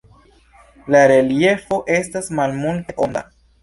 La reliefo estas malmulte onda.